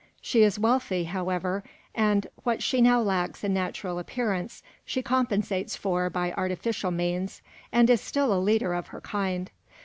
She is wealthy, however, and what she now lacks in natural appearance, she compensates for by artificial means, and is still a leader of her kind.